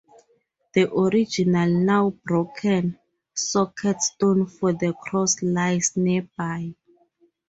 The original, now broken, socket stone for the cross lies nearby.